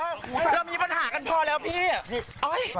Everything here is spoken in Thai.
ก็แค่มีเรื่องเดียวให้มันพอแค่นี้เถอะ